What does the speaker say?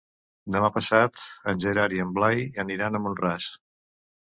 Demà passat en Gerard i en Blai aniran a Mont-ras.